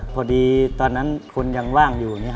พอดีตอนนั้นคนยังว่างอยู่